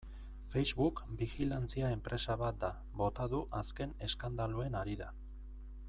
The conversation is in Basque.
Facebook bijilantzia enpresa bat da, bota du azken eskandaluen harira.